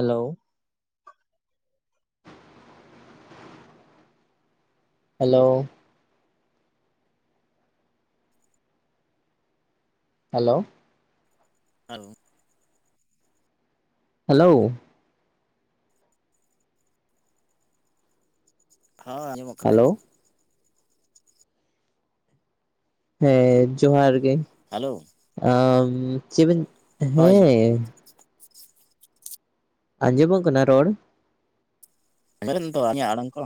Hello. Hello. Hello. ᱟᱨᱚ [unintelligible] hello? ᱦᱚᱸ ᱟᱸᱡᱚᱢᱚᱜ ᱠᱟᱞᱟ ᱦᱮᱞᱳ ᱜᱮ ᱾ ᱦᱮ ᱡᱚᱦᱟᱨ ᱜᱮ ᱾ ᱦᱮᱞᱳ ᱾ ᱟᱸ ᱪᱮᱫ ᱵᱮᱱ, ᱦᱳᱭ ᱦᱮᱸ ᱾ ᱟᱸᱡᱚᱢᱚᱜ ᱠᱟᱱᱟ ᱨᱚᱲ? [inaudible] [unintelligible] ᱵᱮᱱ ᱛᱚ ᱟᱧᱟᱜ ᱟᱲᱟᱝ ᱠᱚ?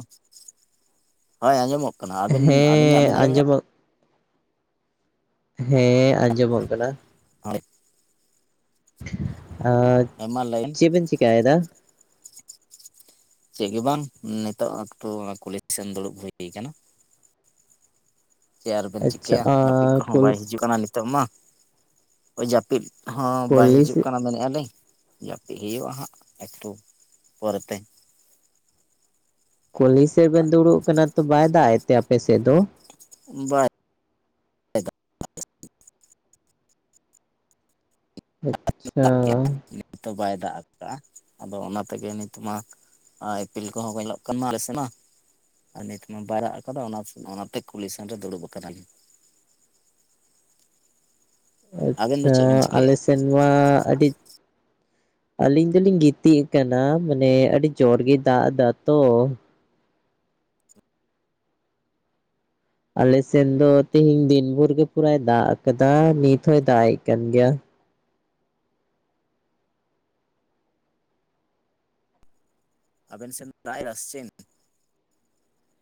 ᱦᱳᱭ ᱟᱸᱡᱚᱢᱚᱜ ᱠᱟᱱᱟ ᱟᱵᱮᱱ ᱟᱹᱞᱤᱧᱟᱜ ᱦᱮᱸ ᱵᱮᱱ ᱟᱸᱡᱚᱢᱮᱜᱼᱟ? ᱟᱸᱡᱚᱢᱚᱜ ᱦᱮᱸ ᱟᱸᱡᱚᱢᱚᱜ ᱠᱟᱱᱟ ᱾ [unintelligible] ᱟᱸ ᱢᱟ ᱞᱟᱹᱭ ᱪᱮᱫ ᱵᱮᱱ ᱪᱤᱠᱟᱭᱮᱫᱟ? ᱪᱮᱫ ᱜᱮ ᱵᱟᱝ, ᱱᱤᱛᱚᱜ ᱮᱠᱴᱩ ᱠᱩᱞᱦᱤ ᱥᱮᱱ ᱫᱩᱲᱩᱵ ᱦᱩᱭ ᱠᱟᱱᱟ ᱾ ᱪᱮᱫ ᱟᱨ ᱵᱮᱱ ᱟᱪᱪᱷᱟ ᱪᱤᱠᱟᱹᱭᱟ ᱡᱟᱹᱯᱤᱫ ᱟᱨ ᱠᱚᱦᱚᱸ ᱠᱩᱞ ᱵᱟᱭ ᱦᱤᱡᱩᱜ ᱠᱟᱱᱟ ᱱᱤᱛᱚᱜ ᱢᱟ ᱦᱳᱭ ᱡᱟᱹᱯᱤᱫ ᱦᱚᱸ ᱵᱟᱭ ᱠᱩᱞᱦᱤ ᱦᱤᱡᱩᱜ ᱥᱮᱫ ᱠᱟᱱᱟ ᱢᱮᱱᱮᱫᱼᱟ ᱞᱤᱧ ᱾ ᱡᱟᱹᱯᱤᱫ ᱦᱩᱭᱩᱜᱼᱟ ᱦᱟᱸᱜ ᱮᱠᱴᱩ ᱯᱚᱨᱮ ᱛᱮ ᱾ ᱠᱩᱞᱦᱤ ᱥᱮᱫ ᱵᱮᱱ ᱫᱩᱲᱩᱵ ᱠᱟᱱᱟ ᱛᱚ ᱵᱟᱭ ᱫᱟᱜ ᱮᱫ ᱛᱮ ᱟᱯᱮ ᱥᱮᱫ ᱫᱚ? ᱵᱟᱭ ᱫᱟᱜ ᱟᱪᱪᱷᱟ ᱱᱤᱛᱚ ᱵᱟᱭ ᱫᱟᱜ ᱟᱠᱟᱜᱼᱟ, ᱟᱫᱚ ᱚᱱᱟ ᱛᱮᱜᱮ ᱱᱤᱛ ᱢᱟ ᱟᱨ ᱤᱯᱤᱞ ᱠᱚᱦᱚᱸ ᱠᱚ ᱧᱮᱞᱚᱜ ᱠᱟᱱᱟ ᱟᱞᱮ ᱥᱮᱫ ᱢᱟ ᱾ ᱟᱨ ᱱᱤᱛ ᱢᱟ ᱵᱟᱭ‌ᱫᱟᱜ ᱟᱠᱟᱫᱟ ᱚᱱᱟ ᱚᱱᱟᱛᱮ ᱠᱩᱞᱦᱤ ᱥᱮᱱ ᱨᱮ ᱫᱩᱲᱩᱵ ᱟᱠᱟᱱᱟᱞᱤᱧ ᱾ ᱟᱵᱮᱱ ᱫᱚ ᱟᱪᱪᱷᱟ ᱪᱮᱫ ᱵᱮᱱ ᱟᱞᱮ ᱪᱤᱠᱟᱹᱭᱟ ᱥᱮ ᱢᱟ ᱟᱹᱰᱤ ᱟᱹᱞᱤᱧ ᱫᱚᱞᱤᱧ ᱜᱤᱛᱤᱡ ᱟᱠᱟᱱᱟ ᱢᱟᱱᱮ ᱟᱹᱰᱤ ᱡᱳᱨ ᱜᱮᱭ ᱫᱟᱜ ᱮᱫᱟ ᱛᱚ ᱾ ᱟᱞᱮ ᱥᱮᱱ ᱫᱚ ᱛᱤᱦᱤᱧ ᱫᱤᱱ ᱵᱷᱳᱨ ᱜᱮ ᱯᱩᱨᱟᱭ ᱫᱟᱜ ᱟᱠᱟᱫᱟ ᱱᱤᱛ ᱦᱚᱭ ᱫᱟᱜ ᱮᱸᱜ ᱠᱟᱱ ᱜᱮᱭᱟ ᱾ ᱟᱵᱮᱱ ᱥᱮᱱ ᱫᱟᱜ ᱮᱫᱟ ᱥᱮ ᱪᱮᱱ?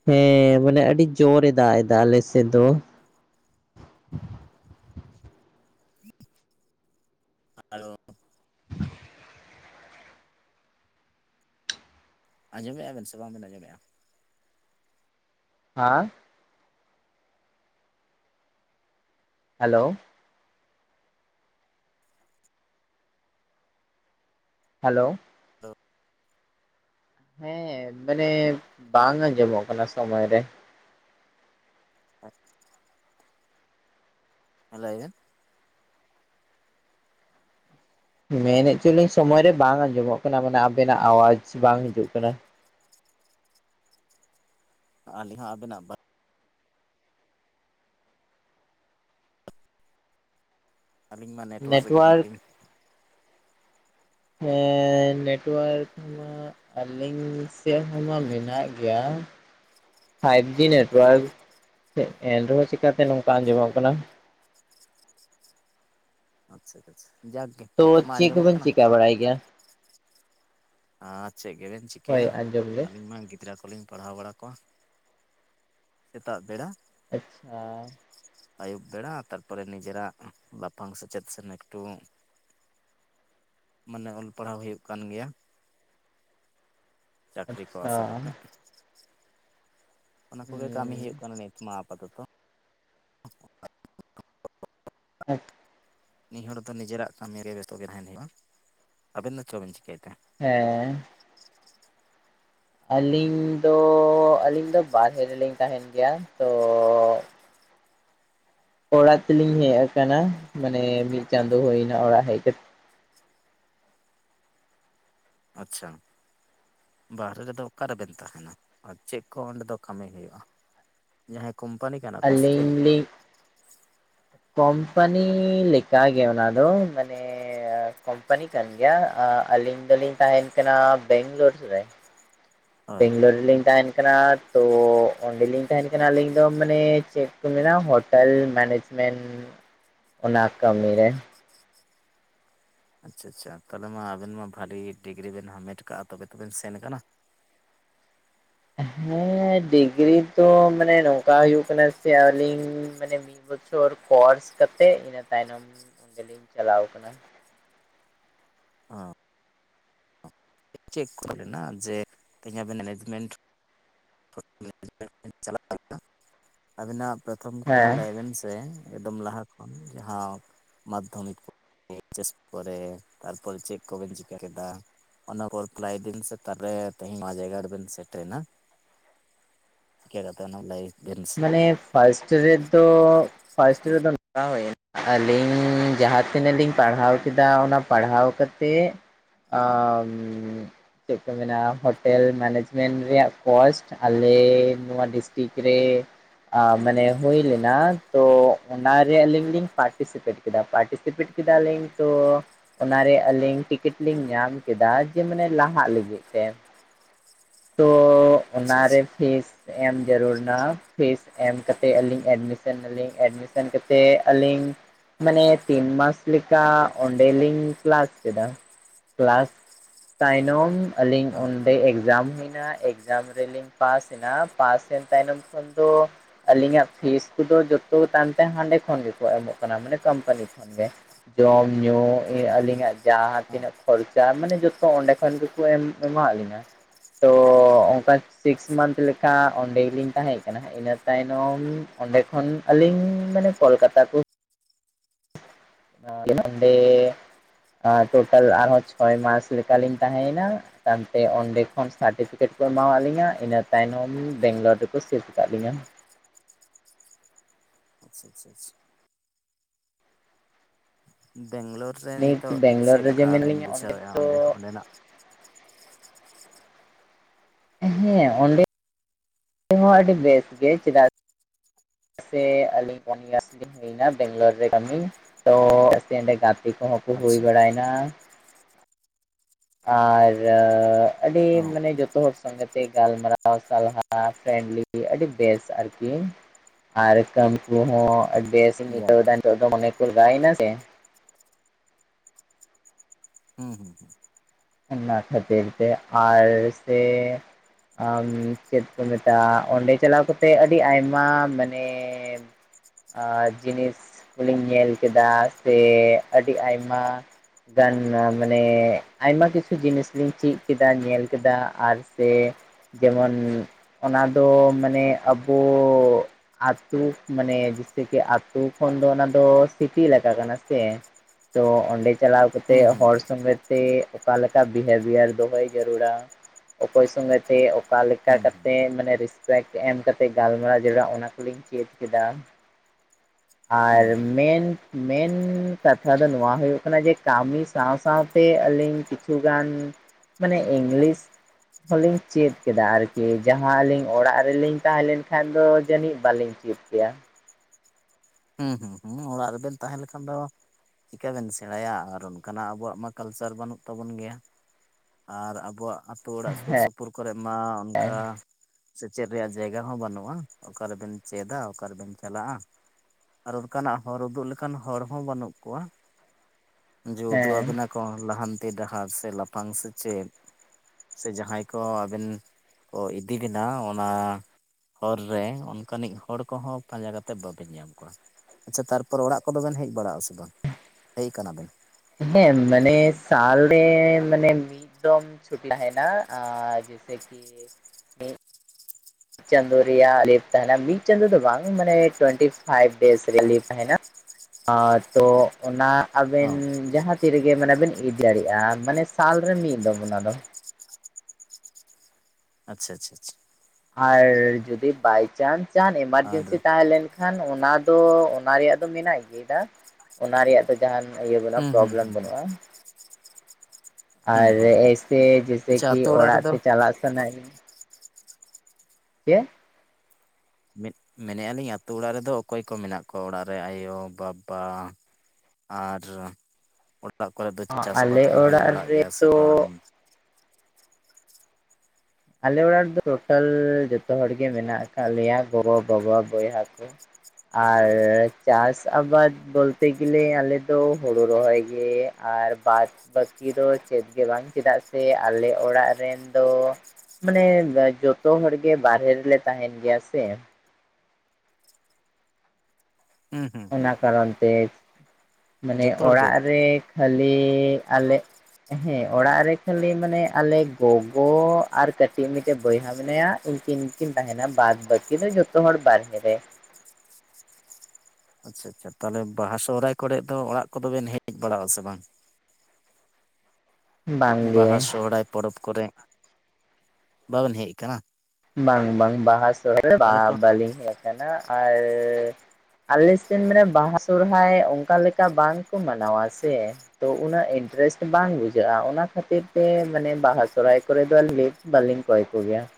ᱦᱮᱸ ᱢᱟᱱᱮ ᱟᱹᱰᱤ ᱡᱳᱨᱮ ᱮ ᱫᱟᱜ ᱮᱫᱟ ᱟᱞᱮ ᱥᱮᱫ ᱫᱚ ᱾ [inaudible] ᱟᱸᱡᱚᱢᱮᱜᱼᱟ ᱵᱮᱱ ᱥᱮ ᱵᱟᱝ ᱵᱮᱱ ᱟᱸᱡᱚᱢᱮᱜᱼᱟ? ᱦᱮᱸ? ᱦᱮᱞᱳ ᱾ ᱦᱮᱞᱳ ᱾ ᱟᱫᱚ ᱦᱮᱸ ᱢᱟᱱᱮ ᱵᱟᱝ ᱟᱸᱡᱚᱢᱚᱜ ᱠᱟᱱᱟ ᱥᱚᱢᱚᱭ ᱨᱮ ᱾ ᱦᱮᱸ ᱞᱟᱹᱭ ᱵᱮᱱ ᱾ ᱢᱮᱱ ᱮᱫ ᱪᱚᱞᱤᱧ ᱥᱚᱢᱚᱭ ᱨᱮ ᱵᱟᱝ ᱟᱸᱡᱚᱢᱚᱜ ᱠᱟᱱᱟ ᱢᱟᱱᱮ ᱟᱵᱮᱱᱟᱜ ᱟᱣᱟᱡ ᱵᱟᱝ ᱦᱤᱡᱩᱜ ᱠᱟᱱᱟ ᱾ ᱟᱹᱞᱤᱧ ᱦᱚᱸ ᱟᱵᱮᱱᱟᱜ ᱵᱟ ᱟᱹᱞᱤᱧ ᱢᱟ ᱨᱮᱜᱮ ᱢᱮᱱᱟᱜ ᱱᱮᱴᱣᱟᱨᱠ, ᱞᱤᱧ ᱮᱸ ᱱᱮᱴᱣᱟᱨᱠ ᱟᱹᱞᱤᱧ ᱥᱮᱫ ᱦᱚᱸᱢᱟ ᱢᱮᱱᱟᱜ ᱜᱮᱭᱟ ᱾ ᱯᱷᱟᱭᱤᱵ ᱡᱤ ᱱᱮᱴᱣᱟᱨᱠ ᱮᱱ ᱨᱮᱦᱚᱸ ᱪᱮᱠᱟᱛᱮ ᱱᱚᱝᱠᱟ ᱟᱸᱡᱚᱢᱚᱜ ᱠᱟᱱᱟ? ᱟᱪᱪᱷᱟ ᱟᱪᱪᱷᱟ ᱡᱟᱠᱜᱮ ᱛᱚ ᱱᱤᱛᱚᱜ ᱢᱟ ᱪᱮᱫ ᱟᱸᱡᱚᱢᱚᱜ ᱠᱚᱵᱮᱱ ᱠᱟᱱᱟ ᱾ ᱪᱤᱠᱟ ᱵᱟᱲᱟᱭ ᱜᱮᱭᱟ ᱾ ᱟᱨ ᱪᱮᱫ ᱜᱮᱵᱮᱱ ᱦᱳᱭ ᱪᱤᱠᱟᱹᱭᱟ? ᱟᱸᱡᱚᱢ ᱜᱮ ᱟᱹᱞᱤᱧ ᱢᱟ ᱜᱤ ᱜᱤᱫᱽᱨᱟᱹ ᱠᱚᱞᱤᱧ ᱯᱟᱲᱦᱟᱣ ᱵᱟᱲᱟ ᱠᱚᱣᱟ, ᱥᱮᱛᱟᱜ ᱵᱮᱲᱟ ᱾ ᱟᱪᱪᱷᱟ᱾ ᱟᱹᱭᱩᱵ ᱵᱮᱲᱟ ᱛᱟᱨᱯᱚᱨᱮ ᱱᱤᱡᱮᱨᱟᱜ ᱞᱟᱯᱟᱝ ᱥᱮᱪᱮᱫ ᱥᱮᱱ ᱮᱠᱴᱩ ᱢᱟᱱᱮ ᱚᱞ ᱯᱟᱲᱦᱟᱣ ᱦᱩᱭᱩᱜ ᱠᱟᱱ ᱜᱮᱭᱟ᱾ ᱪᱟᱹᱠᱨᱤ ᱠᱚ ᱟᱪᱪᱷᱟ ᱟᱥᱟ ᱠᱟᱛᱮᱫ᱾ ᱚᱱᱟ ᱠᱚᱜᱮ ᱠᱟᱹᱢᱤ ᱦᱩᱸ ᱦᱩᱭᱩᱜ ᱠᱟᱱᱟ ᱱᱤᱛ ᱢᱟ ᱟᱯᱟᱛᱚᱛᱚ᱾ [unintelligible] ᱱᱤ ᱦᱚᱲ ᱫᱚ ᱱᱤᱡᱮᱨᱟᱜ ᱠᱟᱹᱢᱤ ᱨᱮ ᱵᱮᱥᱛᱚ ᱜᱮ ᱛᱟᱦᱮᱸᱱ ᱦᱩᱭᱩᱜᱼᱟ᱾ ᱟᱵᱮᱱ ᱫᱚ ᱪᱚᱵᱮᱱ ᱪᱤᱠᱟᱹᱭ ᱛᱮ? ᱦᱮᱸ᱾ ᱟᱹᱞᱤᱧ ᱫᱚ ᱟᱹᱞᱤᱧ ᱫᱚ ᱵᱟᱨᱦᱮ ᱨᱮᱞᱤᱧ ᱛᱟᱦᱮᱸᱱ ᱜᱮᱭᱟ ᱛᱚ ᱚᱲᱟᱜ ᱛᱮᱞᱤᱧ ᱦᱮᱡ ᱟᱠᱟᱱᱟ ᱢᱟᱱᱮ ᱢᱤᱫ ᱪᱟᱸᱫᱳ ᱦᱳᱭ ᱮᱱᱟ ᱚᱲᱟᱜ ᱦᱮᱡ [inaudible] ᱟᱪᱪᱷᱟ᱾ ᱵᱟᱨᱦᱮ ᱨᱮᱫᱚ ᱚᱠᱟ ᱨᱮᱵᱮᱱ ᱛᱟᱦᱮᱸᱱᱟ? ᱟᱨ ᱪᱮᱫ ᱠᱚ ᱚᱸᱰᱮ ᱫᱚ ᱠᱟᱹᱢᱤ ᱦᱩᱭᱩᱜᱼᱟ? ᱡᱟᱦᱟᱸᱭ ᱠᱳᱢᱯᱟᱱᱤ ᱠᱟᱱᱟ ᱠᱚᱥᱮ ᱪᱮᱫ? ᱠᱚᱢᱯᱟᱱᱤ ᱞᱮᱠᱟ ᱜᱮ ᱚᱱᱟ ᱫᱚ ᱢᱟᱱᱮ ᱮᱸ ᱠᱳᱢᱯᱟᱱᱤ ᱠᱟᱱ ᱜᱮᱭᱟ ᱟᱸ ᱟᱹᱞᱤᱧ ᱫᱚᱞᱤᱧ ᱛᱟᱦᱮᱸᱱ ᱠᱟᱱᱟ ᱵᱮᱝᱞᱳᱨ ᱨᱮ᱾ ᱦᱳᱭ ᱵᱮᱝᱞᱳᱨ ᱨᱮᱞᱤᱧ ᱛᱟᱦᱮᱸᱱ ᱠᱟᱱᱟ ᱛᱚ ᱚᱸᱰᱮᱞᱤᱧ ᱛᱟᱸᱦᱮᱱ ᱠᱟᱱᱟ ᱟᱹᱞᱤᱧ ᱫᱚ ᱢᱟᱱᱮ ᱪᱮᱫ ᱠᱚ ᱢᱮᱱᱟ ᱦᱳᱴᱮᱞ ᱢᱮᱱᱮᱡᱽᱢᱮᱱᱴ, ᱚᱱᱟ ᱠᱟᱹᱢᱤ ᱨᱮ᱾ ᱟᱪᱪᱷᱟ ᱟᱪᱪᱷᱟ ᱛᱟᱦᱚᱞᱮ ᱢᱟ ᱟᱵᱮᱱ ᱢᱟ ᱵᱷᱟᱞᱤ ᱰᱤᱜᱽᱨᱤ ᱵᱮᱱ ᱦᱟᱢᱮᱴ ᱠᱟᱜᱼᱟ ᱛᱚᱵᱮ ᱛᱚᱵᱮᱱ ᱥᱮᱱ ᱟᱠᱟᱱᱟ᱾ ᱦᱮᱸ ᱰᱤᱜᱽᱨᱤ ᱫᱚ ᱢᱟᱱᱮ ᱱᱚᱝᱠᱟ ᱦᱩᱭᱩᱜ ᱠᱟᱱᱟ ᱥᱮ ᱟᱹᱞᱤᱧ ᱢᱟᱱᱮ ᱢᱤᱫ ᱢᱤᱫ ᱵᱚᱪᱷᱚᱨ ᱠᱳᱨᱥ ᱠᱟᱛᱮᱫ ᱤᱱᱟᱹ ᱛᱟᱭᱱᱚᱢ ᱚᱸᱰᱮᱞᱤᱧ ᱪᱟᱞᱟᱣ ᱟᱠᱟᱱᱟ᱾ ᱚ [inaudible] ᱞᱮᱱᱟ ᱡᱮ ᱛᱮᱦᱮᱧ ᱟᱵᱮᱱ ᱢᱮᱱᱮᱡᱽᱢᱮᱱᱴ [inaudible] ᱟᱵᱤᱱᱟᱜ ᱯᱨᱚᱛᱷᱚᱢ ᱠᱷᱚᱱ ᱦᱮᱸ ᱞᱟᱹᱭ ᱵᱮᱱ ᱥᱮ ᱮᱠᱫᱚᱢ ᱞᱟᱦᱟ ᱟᱢ ᱡᱟᱦᱟᱸ ᱢᱟᱫᱽᱫᱷᱚᱢᱤᱠ ᱠᱚ ᱮᱭᱤᱪ. ᱮᱥ. ᱯᱚᱨᱮ ᱛᱟᱨᱯᱚᱨ ᱪᱮᱫ ᱠᱚᱵᱮᱱ ᱪᱤᱠᱟᱹ ᱠᱮᱫᱟ, ᱚᱱᱟ ᱯᱚᱨ [unintelligible] ᱫᱤᱱ ᱥᱮ ᱛᱟᱦᱚᱞᱮ ᱛᱮᱦᱮᱧ ᱱᱚᱣᱟ ᱡᱟᱭᱜᱟ ᱨᱮ ᱵᱮᱱ ᱥᱮᱴᱨᱮᱱᱟ᱾ ᱪᱤᱠᱟ ᱠᱟᱛᱮ ᱚᱱᱟ ᱞᱟᱭᱤᱱ ᱢᱟᱱᱮ ᱯᱷᱟᱥᱴ ᱨᱮᱫᱚ ᱯᱷᱟᱥᱴ ᱨᱮᱫᱚ ᱱᱚᱝᱠᱟ ᱦᱩᱭ ᱟᱹᱞᱤᱧ ᱡᱟᱦᱟᱸ ᱛᱤᱱᱟᱹᱜ ᱞᱤᱧ ᱯᱟᱲᱦᱟᱣ ᱠᱮᱫᱟ ᱚᱱᱟ ᱯᱟᱲᱦᱟᱣ ᱠᱟᱛᱮᱜ ᱟᱻᱟᱢ ᱪᱮᱫ ᱠᱚ ᱢᱮᱱᱥ ᱦᱳᱴᱮᱞ ᱢᱮᱱᱮᱡᱢᱮᱱᱴ ᱨᱮᱭᱟᱜ [unintelligible] ᱟᱞᱮ ᱱᱚᱣᱟ ᱰᱤᱥᱴᱤᱠ ᱨᱮ ᱟ ᱢᱟᱱᱮ ᱦᱩᱭ ᱞᱮᱱᱟ ᱛᱚ ᱚᱱᱟᱨᱮ ᱟᱹᱞᱤᱧ ᱞᱤᱧ ᱯᱥᱴᱤᱥᱤᱯᱮᱴ ᱠᱮᱫᱟ, ᱯᱟᱴᱤᱥᱤᱯᱮᱴ ᱠᱮᱫᱟᱞᱤᱧ ᱛᱚ ᱚᱱᱟ ᱨᱮ ᱟᱹᱞᱤᱧ ᱴᱤᱠᱤᱴ ᱞᱤᱧ ᱧᱟᱢ ᱠᱮᱫᱟ ᱡᱮ ᱢᱟᱱᱮ ᱞᱟᱦᱟᱜ ᱞᱟᱹᱜᱤᱫ ᱛᱮ, ᱛᱚ ᱟᱪᱪᱷᱟ ᱚᱱᱟᱨᱮ ᱟᱪᱪᱷᱟ ᱯᱷᱤᱥ ᱮᱢ ᱡᱟᱹᱨᱩᱲᱱᱟ, ᱯᱷᱤᱥ ᱮᱢ ᱠᱟᱛᱮᱫ ᱟᱹᱞᱤᱧ ᱮᱰᱢᱤᱥᱚᱱᱟᱞᱤᱧ, ᱮᱰᱢᱤᱥᱮᱱ ᱠᱟᱛᱮᱫ ᱟᱹᱞᱤᱧ ᱢᱟᱱᱮ ᱛᱤᱱ ᱢᱟᱥ ᱞᱮᱠᱟ ᱚᱸᱰᱮᱞᱤᱧ ᱠᱞᱟᱥ ᱠᱮᱫᱟ, ᱠᱞᱟᱥ ᱛᱟᱭᱱᱚᱢ ᱟᱹᱞᱤᱧ ᱦᱚᱸ ᱚᱸᱰᱮ ᱮᱠᱡᱟᱢ ᱦᱩᱭᱮᱱᱟ ᱮᱠᱡᱟᱢ ᱨᱮᱞᱤᱧ ᱯᱟᱥ ᱮᱱᱟ ᱯᱟᱥ ᱮᱱ ᱛᱟᱭᱱᱚᱢ ᱠᱷᱚᱱ ᱫᱚ ᱟᱹᱞᱤᱧᱟᱜ ᱯᱷᱤᱥ ᱠᱚᱫᱚ ᱡᱚᱛᱚ [unintelligible] ᱦᱟᱸᱰᱮ ᱠᱷᱚᱱ ᱜᱮᱠᱚ ᱮᱢᱚᱜ ᱠᱟᱱᱟ ᱢᱟᱱᱮ ᱠᱳᱢᱯᱟᱱᱤ ᱠᱷᱚᱱᱜᱮ᱾ ᱡᱚᱢ ᱧᱩ ᱟᱹᱞᱤᱧᱟᱜ ᱡᱟᱦᱟᱸ ᱚ ᱛᱤᱱᱟᱹᱜ ᱠᱷᱚᱨᱪᱟ ᱢᱟᱱᱮ ᱡᱚᱛᱚ ᱚᱸᱰᱮ ᱠᱷᱚᱱ ᱜᱮ ᱠᱚ ᱮᱢ ᱮᱢᱟᱜ ᱞᱤᱧᱟᱹ, ᱛᱚ ᱚᱝᱠᱟ ᱥᱤᱠᱥ ᱢᱟᱱᱛᱷ ᱞᱮᱠᱟ ᱚᱸᱰᱮ ᱜᱮᱞᱤᱧ ᱛᱟᱦᱮᱸᱜ ᱠᱟᱱᱟ ᱦᱮᱸ, ᱤᱱᱟᱹ ᱛᱟᱭᱱᱚᱢ ᱚᱸᱰᱮ ᱠᱷᱚᱱ ᱟᱹᱞᱤᱧ ᱢᱟᱱᱮ ᱠᱳᱞᱠᱟᱛᱟ ᱠᱚ [unintelligible] ᱱᱚᱸᱰᱮ, ᱟᱨ ᱴᱳᱴᱟᱞ ᱟᱨᱦᱚᱸ ᱪᱷᱚᱭ ᱢᱟᱥ ᱞᱮᱠᱟᱞᱤᱧ ᱛᱟᱦᱮᱸᱭᱮᱱᱟ, ᱛᱟᱭᱚᱢᱛᱮ ᱚᱸᱰᱮ ᱠᱷᱚᱱ ᱥᱟᱨᱴᱤᱯᱷᱤᱠᱮᱴ ᱠᱚ ᱮᱢᱟᱣᱟᱫ ᱞᱤᱧᱟ ᱾ ᱤᱱᱟᱹ ᱛᱟᱭᱱᱚᱢ ᱵᱮᱝᱜᱞᱳᱨ ᱨᱮᱠᱚ ᱥᱤᱯᱴ ᱟᱠᱟᱫ ᱞᱤᱧᱟᱹ ᱾ ᱟᱪᱪᱷᱟ ᱟᱪᱪᱷᱟ ᱟᱪᱪᱷᱟ ᱾ ᱵᱮᱝᱜᱞᱳᱨ ᱨᱮ ᱱᱤᱛ ᱱᱤᱛᱚᱜ ᱵᱮᱝᱜᱞᱳᱨ ᱨᱮ ᱡᱮ ᱪᱮᱫᱠᱟ ᱢᱮᱱᱟᱜ ᱵᱮᱱ ᱞᱤᱧᱟ ᱵᱩᱡᱷᱟᱹᱣᱮᱫᱼᱟ? ᱫᱚ ᱚᱸᱰᱮ ᱚᱸᱰᱮᱱᱟᱜ ᱦᱮᱸ ᱚᱸᱰᱮ ᱦᱚᱸ ᱟᱹᱰᱤ ᱵᱮᱥ ᱜᱮ ᱪᱮᱫᱟᱜ ᱥᱮ ᱟᱹᱞᱤᱧ ᱯᱚᱱ ᱢᱟᱥ ᱞᱤᱧ ᱦᱩᱭᱱᱟ ᱵᱮᱝᱞᱳᱨ ᱨᱮ ᱠᱟᱹᱢᱤ ᱛᱚ ᱚᱸᱰᱮ ᱜᱟ ᱛᱤ ᱠᱚᱦᱚᱸ ᱠᱚ ᱦᱩᱭ ᱟᱪᱪᱷᱟ ᱵᱟᱲᱟᱭᱱᱟ ᱾ ᱟᱨ ᱟᱹᱰᱤ ᱚ ᱢᱟᱱᱮ ᱡᱷᱚᱛᱚ ᱦᱚᱲ ᱥᱟᱸᱜᱮᱛᱮ ᱜᱟᱞᱢᱟᱨᱟᱣ ᱥᱟᱞᱦᱟ ᱯᱷᱨᱮᱱᱰᱞᱤ ᱟᱹᱰᱤ ᱵᱮᱥ ᱟᱨᱠᱤ ᱟᱨ ᱠᱟᱹᱢᱤ ᱠᱚᱦᱚᱸ ᱵᱮᱥᱤᱧ ᱟ. ᱭᱠᱟᱹᱣᱫᱟ ᱡᱟᱠᱜᱮ ᱱᱤᱛᱚᱜ ᱱᱤᱛ ᱫᱚᱱᱮ ᱠᱚ ᱜᱟᱭᱱᱟ ᱥᱮ ᱾ ᱦᱩᱸ ᱦᱩᱸ ᱦᱩᱸ ᱾ ᱚᱱᱟ ᱠᱷᱟᱹᱛᱤᱨ ᱛᱮ ᱟᱨ ᱥᱮ ᱟ ᱪᱮᱫ ᱠᱚ ᱢᱮᱛᱟᱜᱼᱟ ᱾ ᱚᱸᱰᱮ ᱪᱟᱞᱟᱣ ᱠᱟᱛᱮᱜ ᱟᱹᱰᱤ ᱟᱭᱢᱟ ᱢᱟᱱᱮ ᱟᱨ ᱡᱤᱱᱤᱥ ᱠᱚᱞᱤᱧ ᱧᱮᱞ ᱠᱮᱫᱟ ᱥᱮ ᱟᱹᱰᱤ ᱟᱭᱢᱟ ᱜᱟᱱ ᱢᱟᱱᱮ ᱟᱭᱢᱟ ᱠᱤᱪᱷᱩ ᱡᱤᱱᱤᱥ ᱞᱤᱧ ᱪᱤᱫ ᱠᱮᱫᱟ ᱧᱮᱞ ᱠᱮᱫᱟ ᱟᱨ ᱥᱮ ᱡᱮᱢᱚᱱ ᱚᱱᱟ ᱫᱚ ᱢᱟᱱᱮ ᱟᱵᱚ ᱟᱛᱳ ᱢᱟᱱᱮ ᱡᱮᱭᱥᱮ ᱠᱤ ᱟᱹᱛᱩ ᱠᱷᱚᱱ ᱫᱚ ᱚᱱᱟ ᱫᱚ ᱥᱤᱴᱤ ᱮᱞᱟᱠᱟ ᱠᱟᱱᱟ ᱥᱮ ᱾ ᱛᱚ ᱚᱸᱰᱮ ᱪᱟᱞᱟᱣ ᱠᱟᱛᱮ ᱦᱩᱸ ᱦᱩᱸ ᱦᱚᱲ ᱥᱚᱸᱜᱮ ᱛᱮ ᱚᱠᱟᱞᱮᱠᱟ ᱵᱤᱦᱮᱵᱤᱭᱟᱨ ᱫᱚᱦᱚᱭ ᱡᱟᱹᱨᱩᱲᱟ᱾ ᱚᱠᱚᱭ ᱥᱚᱸᱜᱮᱛᱮ ᱚᱠᱟ ᱞᱮᱠᱟ ᱦᱩᱸ ᱠᱟᱛᱮ ᱢᱟᱱᱮ ᱨᱤᱥᱯᱮᱠᱴ ᱮᱢ ᱠᱟᱛᱮᱫ ᱜᱟᱞᱢᱟᱨᱟᱣ ᱡᱟᱲᱩᱨᱟ ᱚᱱᱟ ᱠᱚᱞᱤᱧ ᱪᱤᱫ ᱠᱮᱫᱟ᱾ ᱦᱩᱸ ᱟᱨ ᱢᱮᱱ ᱢᱮᱱ ᱠᱟᱛᱷᱟ ᱫᱚ ᱱᱚᱣᱟ ᱦᱩᱭᱩᱜ ᱠᱟᱱᱟ ᱡᱮ ᱠᱟᱹᱢᱤ ᱥᱟᱶ ᱥᱟᱶᱛᱮ ᱟᱹᱞᱤᱧ ᱠᱤᱪᱷᱩ ᱜᱟᱱ ᱢᱟᱱᱮ ᱤᱝᱞᱤᱥ ᱦᱚᱞᱤᱧ ᱪᱮᱫ ᱠᱮᱫᱟ ᱟᱨᱠᱤ ᱡᱟᱦᱟᱸ ᱟᱹᱞᱤᱧ ᱚᱲᱟᱜ ᱨᱮᱞᱤᱧ ᱛᱟᱦᱮᱸ ᱞᱮᱱᱠᱷᱟᱱ ᱫᱚ ᱡᱟᱹᱱᱤᱡ ᱵᱟᱞᱤᱧ ᱪᱮᱫ ᱠᱮᱭᱟ᱾ ᱦᱩᱸ ᱦᱩᱸ ᱦᱩᱸ ᱾ ᱚᱲᱟᱜ ᱨᱮᱵᱮᱱ ᱛᱟᱦᱮᱸ ᱞᱮᱠᱷᱟᱱ ᱫᱚ ᱪᱤᱠᱟᱹ ᱵᱮᱱ ᱥᱮᱬᱟᱭᱟ ᱟᱨ ᱚᱱᱠᱟᱱᱟᱜ ᱟᱵᱚᱣᱟᱜ ᱢᱟ ᱠᱟᱞᱪᱟᱨ ᱵᱟᱹᱱᱩᱜ ᱛᱟᱵᱚᱱ ᱜᱮᱭᱟ ᱟᱨ ᱟᱵᱚᱣᱟᱜ ᱟᱛᱳ ᱚᱲᱟᱜ ᱥᱩᱨ ᱥᱩᱯᱩᱨ ᱠᱚᱨᱮᱜ ᱢᱟ ᱚᱱᱠᱟ ᱥᱮᱪᱮᱫ ᱨᱮᱭᱟᱜ ᱡᱟᱭᱜᱟ ᱦᱚᱸ ᱵᱟᱹᱱᱩᱜᱼᱟ᱾ ᱚᱠᱟ ᱨᱮᱵᱮᱱ ᱪᱮᱫᱟ ᱚᱠᱟᱨᱮᱵᱮᱱ ᱪᱟᱞᱟᱜᱼᱟ ᱟᱨ ᱚᱱᱠᱟᱱᱟᱜ ᱦᱚᱨ ᱩᱫᱩᱜ ᱞᱮᱠᱟᱱ ᱦᱚᱲ ᱦᱚᱸ ᱵᱟᱹᱱᱩᱜ ᱠᱚᱣᱟ ᱡᱮ ᱩᱫᱩᱜ ᱦᱮᱸ ᱟᱵᱮᱱᱟ ᱠᱚ ᱞᱟᱦᱟᱱᱛᱤ ᱰᱟᱦᱟᱨ ᱥᱮ ᱞᱟᱯᱷᱟᱝ ᱥᱮᱪᱮᱫ᱾ ᱥᱮ ᱡᱟᱦᱟᱸᱭ ᱠᱚ ᱟᱵᱮᱱ ᱠᱚ ᱤᱫᱤ ᱵᱮᱱᱟ ᱚᱱᱟ ᱦᱚᱨ ᱨᱮ ᱚᱱᱠᱟᱱᱤᱡ ᱦᱚᱲ ᱠᱚᱦᱚᱸ ᱯᱟᱸᱡᱟ ᱠᱟᱛᱮᱫ ᱵᱟᱵᱮᱱ ᱧᱟᱢ ᱠᱚᱣᱟ᱾ ᱟᱪᱪᱷᱟ ᱾ ᱛᱟᱨᱯᱚᱨ ᱚᱲᱟᱜ ᱠᱚᱫᱚ ᱵᱮᱱ ᱦᱮᱡ ᱵᱟᱲᱟᱜ ᱟᱥᱮ ᱵᱟᱝ ᱦᱮᱡ ᱠᱟᱱᱟ ᱵᱮᱱ? ᱦᱮᱸ ᱢᱟᱱᱮ ᱥᱟᱞᱨᱮ ᱢᱟᱱᱮ ᱢᱤᱫ ᱫᱷᱚᱢ ᱪᱷᱩᱴᱤ ᱛᱟᱦᱮᱱᱟ ᱟᱨ ᱡᱮᱭᱥᱮ ᱠᱤ ᱪᱟᱸᱫᱳ ᱨᱮᱭᱟᱜ ᱞᱤᱯ ᱛᱟᱦᱮᱱᱟ ᱢᱤᱫ ᱪᱟᱸᱫᱳ ᱫᱚ ᱵᱟᱝ ᱢᱟᱱᱮ ᱴᱚᱭᱮᱱᱴᱤ ᱯᱷᱟᱭᱤᱵ ᱰᱮᱭᱥ ᱨᱮᱭᱟᱜ ᱞᱤᱯ ᱛᱟᱦᱮᱱᱟ᱾ ᱟ ᱛᱚ ᱚᱱᱟ ᱚ ᱟᱵᱮᱱ ᱡᱟᱦᱟᱸ ᱛᱤᱨᱮᱜᱮ ᱢᱟᱱᱮ ᱵᱮᱱ ᱤᱫᱤ ᱫᱟᱲᱮᱜᱼᱟ ᱢᱟᱱᱮ ᱥᱟᱞ ᱨᱮ ᱢᱤᱫ ᱫᱚᱢ ᱚᱱᱟ ᱫᱚ᱾ ᱟᱪᱪᱷᱟ ᱟᱪᱪᱷᱟ ᱪᱷᱟ᱾ ᱟᱨ ᱡᱩᱫᱤ ᱵᱟᱭᱪᱟᱱᱥ ᱡᱟᱦᱟᱱ ᱟᱨ ᱮᱢᱟᱨᱡᱮᱱᱥᱤ ᱛᱟᱦᱮᱸ ᱞᱮᱱ ᱠᱷᱟᱱ ᱚᱱᱟ ᱫᱚ ᱚᱱᱟ ᱨᱮᱭᱟᱜ ᱫᱚ ᱢᱮᱱᱟᱜ ᱜᱮᱫᱟ ᱚᱱᱟ ᱨᱮᱭᱟᱜ ᱫᱚ ᱡᱟᱦᱟᱱ ᱤᱭᱟᱹ ᱵᱟᱹᱱᱩᱜᱼᱟ ᱾ ᱦᱩᱸ ᱦᱩᱸ ᱯᱨᱚᱵᱽᱞᱮᱢ ᱵᱟᱹᱱᱩᱜᱼᱟ᱾ ᱦᱩᱸ ᱟᱨ ᱦᱩᱸ ᱮᱭᱥᱮ ᱡᱮᱭᱥᱮ ᱟᱪᱪᱷᱟ ᱠᱤ ᱟᱛᱳ ᱚᱲᱟᱜ ᱨᱮᱫᱚ ᱛᱮ ᱪᱟᱞᱟᱜ ᱥᱟᱱᱟ ᱪᱮᱜ? ᱢᱮ ᱢᱮᱱᱮᱫᱼᱟ ᱞᱤᱧ ᱟᱛᱩ ᱚᱲᱟᱜ ᱨᱮᱫᱚ ᱚᱠᱚᱭ ᱠᱚ ᱢᱮᱱᱟᱜ ᱠᱚᱣᱟ ᱚᱲᱟᱜ ᱨᱮ ᱟᱭᱳ, ᱵᱟᱵᱟ? ᱟᱨ ᱚᱲᱟᱜ ᱠᱚᱨᱮ ᱫᱚ ᱪᱟᱥ ᱟᱵᱟᱫ ᱟᱞᱮ ᱠᱚ ᱦᱩᱭ ᱚᱲᱟᱜ ᱵᱟᱲᱟᱜ ᱜᱮᱭᱟ ᱥᱮ ᱨᱮᱫᱚ ᱵᱟᱝ? ᱟᱞᱮ ᱚᱲᱟᱜ ᱨᱮᱫᱚ ᱴᱳᱴᱟᱞ ᱡᱚᱛᱚ ᱦᱚᱲ ᱜᱮ ᱢᱮᱱᱟᱜ ᱟᱠᱟᱫ ᱞᱮᱭᱟ ᱜᱚᱜᱚ ᱵᱟᱵᱟ, ᱵᱚᱭᱦᱟ ᱠᱚ ᱾ ᱟᱨ ᱪᱟᱥ ᱟᱵᱟᱫᱽ ᱵᱚᱞᱛᱮ ᱜᱮᱞᱮ ᱟᱞᱮᱫ ᱫᱚ ᱦᱩᱲᱩ ᱨᱚᱦᱚᱭ ᱜᱮ ᱟᱨ ᱵᱟᱫᱽ ᱵᱟᱹᱠᱤ ᱫᱚ ᱪᱮᱫ ᱜᱮ ᱵᱟᱝ ᱪᱮᱫᱟᱜ ᱥᱮ ᱟᱞᱮ ᱚᱲᱟᱜ ᱨᱮᱱ ᱫᱚ ᱢᱟᱱᱮ ᱡᱚᱛᱚ ᱦᱚᱲ ᱜᱮ ᱵᱟᱨᱦᱮ ᱨᱮᱞᱮ ᱛᱟᱦᱮᱱ ᱜᱮᱭᱟ ᱥᱮ ᱾ ᱦᱩᱸ ᱦᱩᱸ᱾ ᱦᱩᱸ ᱚᱱᱟ ᱠᱟᱨᱚᱱ ᱛᱮ, ᱢᱟᱱᱮ ᱡᱚᱛᱚ ᱦᱚᱲ ᱜᱮ ᱚᱲᱟᱜ ᱨᱮ ᱠᱷᱟᱹᱞᱤ ᱟᱞᱮ ᱦᱮᱸ ᱚᱲᱟᱜ ᱨᱮ ᱠᱷᱟᱹᱞᱤ ᱢᱟᱱᱮ ᱟᱞᱮ ᱜᱚᱜᱚ ᱟᱨ ᱠᱟᱹᱴᱤᱡ ᱢᱤᱫᱴᱮᱱ ᱵᱚᱭᱦᱟ ᱢᱮᱱᱟᱭᱟ ᱩᱱᱠᱤᱱ ᱠᱤᱱ ᱛᱟᱦᱮᱱᱟ ᱵᱟᱫ ᱵᱟᱹᱠᱤ ᱫᱚ ᱡᱚᱛᱚ ᱦᱚᱲ ᱵᱟᱨᱦᱮ ᱨᱮ ᱾ ᱟᱪᱪᱷᱟ ᱟᱪᱪᱷᱟ, ᱛᱟᱦᱚᱞᱮ ᱵᱟᱦᱟ ᱥᱚᱦᱚᱨᱟᱭ ᱠᱚᱨᱮᱜ ᱫᱚ ᱚᱲᱟᱜ ᱠᱚᱫᱚ ᱵᱮᱱ ᱦᱮᱡ ᱵᱟᱲᱟᱜ ᱟᱥᱮ ᱵᱟᱝ? ᱵᱟᱝᱜᱮ ᱵᱟᱦᱟ ᱥᱚᱦᱨᱟᱭ ᱯᱚᱨᱚᱵᱽ ᱠᱚᱨᱮ ᱵᱟᱵᱮᱱ ᱦᱮᱡ ᱟᱠᱟᱱᱟ? ᱵᱟᱝ ᱵᱟᱝ ᱵᱟᱦᱟ ᱥᱚᱦᱨᱟᱭ ᱛᱟᱦᱚᱞᱮ ᱛᱚ ᱵᱟᱞᱤᱧ ᱦᱮᱡ ᱟᱠᱟᱱᱟ, ᱟᱨ ᱟᱞᱮ ᱥᱮᱱ ᱢᱟᱱᱮ ᱵᱟᱦᱟ ᱥᱚᱨᱦᱟᱭ ᱚᱱᱠᱟ ᱞᱮᱠᱟ ᱵᱟᱝ ᱠᱚ ᱢᱟᱱᱟᱣᱟ ᱥᱮ ᱾ ᱛᱚ ᱩᱱᱟᱹᱜ ᱤᱱᱴᱟᱨᱮᱥᱴ ᱵᱟᱝ ᱵᱩᱡᱷᱟᱹᱜᱼᱟ ᱚᱱᱟ ᱠᱷᱟᱹᱛᱤᱨ ᱛᱮ ᱢᱟᱱᱮ ᱵᱟᱦᱟ ᱥᱚᱨᱦᱟᱭ ᱠᱚᱨᱮ ᱫᱚ [unintelligible] ᱵᱟᱹᱞᱤᱧ ᱠᱚᱭ ᱠᱚᱜᱮᱭᱟ ᱾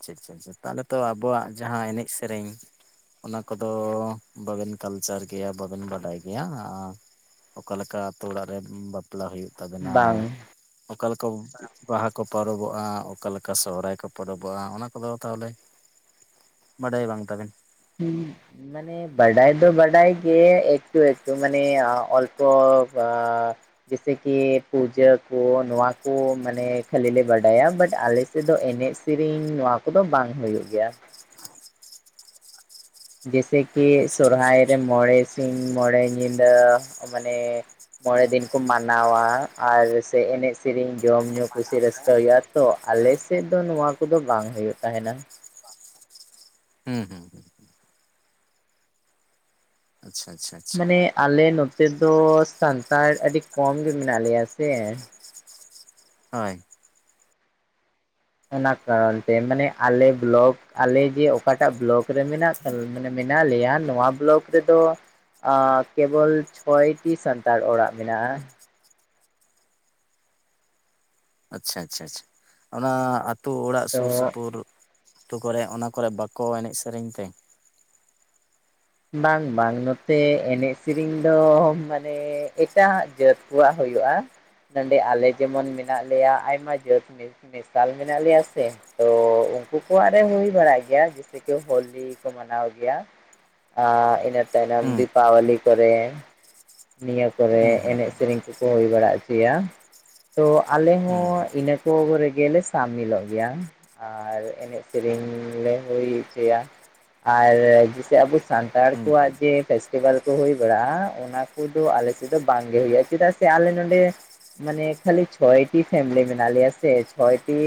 ᱟᱪᱪᱷᱟ ᱟᱪᱪᱷᱟ ᱟᱪᱪᱷᱟ ᱾ ᱛᱟᱦᱚᱞᱮ ᱛᱚ ᱟᱵᱚᱣᱟᱜ ᱡᱟᱦᱟᱸ ᱮᱱᱮᱡ ᱥᱮᱨᱮᱧ ᱚᱱᱟ ᱠᱚᱫᱚ ᱵᱟᱵᱮᱱ ᱠᱟᱞᱪᱟᱨ ᱜᱮᱭᱟ ᱵᱟᱵᱮᱱ ᱵᱟᱰᱟᱭ ᱜᱮᱭᱟ? ᱚᱠᱟ ᱞᱮᱠᱟ ᱟᱹᱛᱩ ᱚᱲᱟᱜ ᱨᱮ ᱵᱟᱯᱞᱟ ᱦᱩᱭᱩᱜ ᱛᱟᱵᱮᱱᱟ, ᱵᱟᱝ ᱚᱠᱟ ᱞᱮᱠᱟ ᱵᱟᱦᱟ ᱠᱚ ᱯᱟᱨᱚᱵᱚᱜᱼᱟ, ᱚᱠᱟᱮᱠᱟ ᱥᱚᱦᱨᱟᱭ ᱠᱚ ᱯᱚᱨᱚᱵᱚᱜᱼᱟ, ᱚᱱᱟ ᱠᱚ ᱠᱚᱫᱚ ᱛᱟᱦᱚᱞᱮ ᱵᱟᱰᱟᱭ ᱵᱟᱝ ᱛᱟᱵᱮᱱ? ᱦᱩᱸ [unintelligible] ᱢᱟᱱᱮ ᱵᱟᱰᱟᱭ ᱫᱚ ᱵᱟᱰᱟᱭ ᱜᱮ ᱮᱠᱴᱩ ᱮᱠᱴᱩ ᱢᱟᱱᱮ ᱚᱞᱯᱚ ᱟᱸ ᱡᱮᱥᱮ ᱠᱤ ᱯᱩᱡᱟᱹ ᱠᱚ ᱱᱚᱣᱟ ᱠᱚ ᱢᱟᱱᱮ ᱠᱷᱟᱹᱞᱤ ᱞᱮ ᱵᱟᱰᱟᱭᱟ, ᱵᱟᱴ ᱟᱞᱮ ᱥᱮᱫ ᱮᱱᱮᱡ ᱥᱮᱨᱮᱧ ᱱᱚᱣᱟ ᱠᱚᱫᱚ ᱵᱟᱝ ᱦᱩᱭᱩᱜ ᱜᱮᱭᱟ ᱾ ᱡᱮᱭᱮᱥᱮ ᱠᱤ ᱟᱪᱪᱷᱟ ᱟᱪᱪᱷᱟ ᱥᱚᱨᱦᱟᱭ ᱨᱮ ᱟᱪᱪᱷᱟ ᱢᱚᱬᱮ ᱥᱤᱧ ᱢᱚᱬᱮ ᱧᱤᱫᱟᱹ ᱢᱟᱱᱮ ᱢᱚᱬᱮ ᱫᱤᱱ ᱠᱚ ᱢᱟᱱᱟᱣᱟ ᱟᱨ ᱥᱮ ᱮᱱᱮᱡ ᱥᱮᱨᱮᱧ ᱡᱚᱢ ᱧᱩ ᱠᱩᱥᱤ ᱨᱟᱹᱥᱠᱟᱹ ᱦᱩᱭᱩᱜ-ᱟ ᱛᱚ ᱟᱞᱮ ᱥᱮᱫ ᱫᱚ ᱱᱚᱣᱟ ᱠᱚᱫᱚ ᱵᱟᱝ ᱦᱩᱭᱩᱜ ᱛᱟᱦᱮᱱᱟ ᱾ ᱦᱩᱸ ᱦᱩᱸ ᱾ ᱟᱪᱪᱷᱟ ᱟᱪᱪᱷᱟ ᱾ ᱢᱟᱱᱮ ᱟᱞᱮ ᱱᱚᱛᱮ ᱫᱚ ᱥᱟᱱᱛᱟᱲ ᱟᱹᱰᱤ ᱠᱚᱢ ᱜᱮ ᱢᱮᱱᱟᱜ ᱞᱮᱭᱟ ᱥᱮ ᱾ ᱦᱳᱭ ᱾ ᱚᱱᱟ ᱠᱟᱨᱚᱱ ᱛᱮ, ᱢᱟᱱᱮ ᱟᱞᱮ ᱵᱞᱚᱠ ᱟᱞᱮ ᱡᱮ ᱚᱠᱟᱴᱟᱜ ᱵᱞᱚᱠ ᱨᱮ ᱢᱮᱱᱟᱜ ᱢᱟᱱᱮ ᱢᱮᱱᱟᱜ ᱞᱮᱭᱟ ᱱᱚᱣᱟ ᱵᱞᱚᱠ ᱨᱮᱫᱚ ᱠᱮᱵᱚᱞ ᱪᱷᱚᱭᱴᱤ ᱥᱟᱱᱛᱟᱲ ᱚᱲᱟᱜ ᱢᱮᱱᱟᱜᱼᱟ ᱾ ᱟᱪᱪᱷᱟ ᱟᱪᱪᱷᱟ ᱟᱪᱪᱷᱟ, ᱚᱱᱟ ᱟᱹᱛᱩ ᱚᱲᱟᱜ ᱛᱚ ᱥᱩᱨ ᱥᱩᱯᱩᱨ ᱟᱹᱛᱩ ᱠᱚᱨᱮ ᱚᱱᱟ ᱠᱚᱨᱮ ᱵᱟᱠᱚ ᱮᱱᱮᱡ ᱥᱮᱨᱮᱧ ᱛᱮ? ᱵᱟᱝ ᱵᱟᱝ ᱱᱚᱛᱮ ᱮᱱᱮᱡ ᱥᱮᱨᱮᱧ ᱫᱚ ᱢᱟᱱᱮ ᱮᱴᱟᱜ ᱡᱟᱹᱛ ᱠᱚᱣᱟᱜ ᱦᱩᱭᱩᱜᱼᱟ ᱾ ᱱᱚᱸᱰᱮ ᱟᱞᱮ ᱡᱮᱢᱚᱱ ᱢᱮᱱᱟᱜ ᱞᱮᱭᱟ ᱟᱭᱢᱟ ᱡᱟᱹᱛ ᱢᱤᱥ ᱢᱮᱥᱟᱞ ᱢᱮᱱᱟᱜ ᱞᱮᱭᱟ ᱥᱮ ᱛᱚ ᱩᱱᱠᱩ ᱠᱚᱣᱟᱜ ᱨᱮ ᱦᱩᱭ ᱵᱟᱲᱟᱜ ᱜᱮᱭᱟ ᱡᱮᱥᱮ ᱠᱤ ᱦᱳᱞᱤ ᱠᱤ ᱠᱚ ᱢᱟᱱᱟᱣ ᱜᱮᱭᱟ ᱾ ᱟᱨ ᱤᱱᱟᱹ ᱛᱟᱭᱱᱚᱢ ᱦᱩᱸ ᱫᱤᱯᱟᱵᱟᱞᱤ ᱠᱚᱨᱮ ᱾ ᱱᱤᱭᱟᱹ ᱠᱚᱨᱮ ᱦᱩᱸ ᱦᱩᱸ ᱮᱱᱮᱡ ᱥᱮᱨᱮᱧ ᱠᱚᱠᱚ ᱦᱩᱭ ᱵᱟᱲᱟ ᱚᱪᱚᱭᱟ ᱾ ᱛᱚ ᱟᱞᱮ ᱦᱚᱸ ᱦᱩᱸ ᱤᱱᱟᱹ ᱠᱚ ᱨᱮᱜᱮ ᱞᱮ ᱥᱟᱢᱤᱞᱚᱜ ᱜᱮᱭᱟ ᱾ ᱟᱨ ᱮᱱᱮᱡ ᱥᱮᱨᱮᱧ ᱞᱮ ᱦᱩᱭ ᱚᱪᱚᱭᱟ᱾ ᱟᱨ ᱵᱤᱥᱤ ᱟᱵᱚ ᱥᱟᱱᱛᱟᱲ ᱦᱩᱸ ᱦᱩᱸ ᱠᱚᱣᱟᱜ ᱡᱮ ᱯᱷᱮᱥᱴᱤᱵᱮᱞ ᱠᱚ ᱦᱩᱭ ᱵᱟᱲᱟᱜᱼᱟ ᱚᱱᱟ ᱠᱩ ᱫᱚ ᱟᱞᱮ ᱥᱮᱫ ᱫᱚ ᱵᱟᱝᱜᱮ ᱦᱩᱭᱩᱜᱼᱟ ᱪᱮᱫᱟᱜ ᱥᱮ ᱟᱞᱮ ᱱᱚᱰᱮ ᱢᱟᱱᱮ ᱠᱷᱟᱹᱞᱤ ᱪᱷᱚᱭ ᱴᱤ ᱯᱷᱮᱢᱮᱞᱤ ᱢᱮᱱᱟᱜ ᱞᱮᱭᱟ ᱥᱮ ᱪᱷᱚᱭ ᱴᱤ